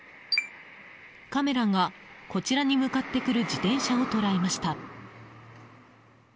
カメラが、こちらに向かってくる自転車を捉えました。